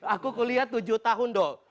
aku kuliah tujuh tahun doh